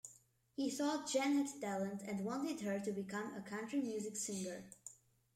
He thought Jan had talent and wanted her to become a country music singer.